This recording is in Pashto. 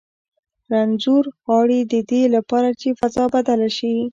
رنځور غاړي د دې لپاره چې فضا بدله شي.